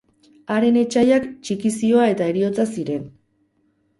Haren etsaiak txikizioa eta heriotza ziren.